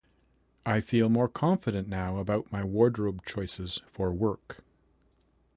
I feel more confident now about my wardrobe choices for work.